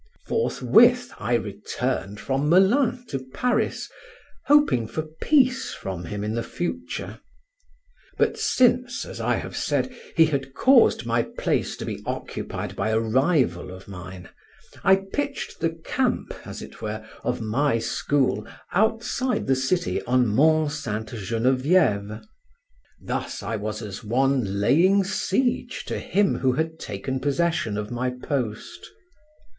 Forthwith I returned from Melun to Paris, hoping for peace from him in the future. But since, as I have said, he had caused my place to be occupied by a rival of mine, I pitched the camp, as it were, of my school outside the city on Mont Ste. Geneviève. Thus I was as one laying siege to him who had taken possession of my post.